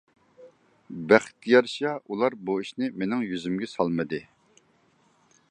بەختكە يارىشا ئۇلار بۇ ئىشنى مېنىڭ يۈزۈمگە سالمىدى.